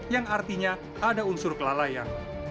yang artinya ada unsur kelalaian